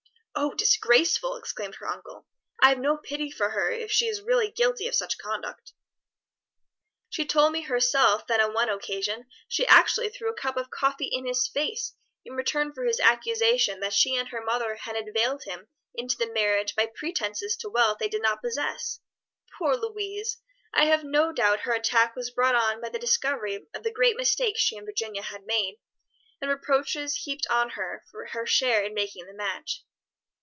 "O disgraceful!" exclaimed her uncle. "I have no pity for her if she is really guilty of such conduct." "She told me herself that on one occasion she actually threw a cup of coffee in his face in return for his accusation that she and her mother had inveigled him into the marriage by pretences to wealth they did not possess. Poor Louise! I have no doubt her attack was brought on by the discovery of the great mistake she and Virginia had made, and reproaches heaped on her for her share in making the match."